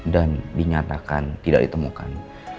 dan dinyatakan tidak ditemukan